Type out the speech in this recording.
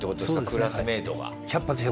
クラスメートが。